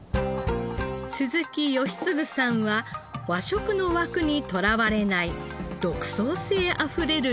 鈴木好次さんは和食の枠にとらわれない独創性あふれる料理人。